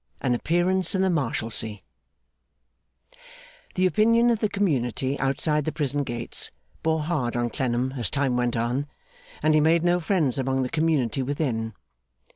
An Appearance in the Marshalsea The opinion of the community outside the prison gates bore hard on Clennam as time went on, and he made no friends among the community within.